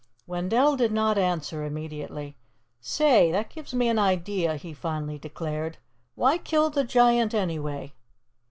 Wendell did not answer immediately. "Say, that gives me an idea," he finally declared. "Why kill the Giant, anyway?"